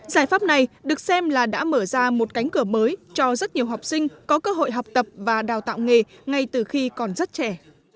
giải pháp này được xem là đã mở ra một cánh cửa mới cho rất nhiều học sinh có cơ hội học tập và đào tạo nghề ngay từ khi còn rất trẻ